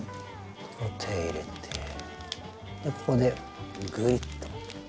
手入れてここでグイッと。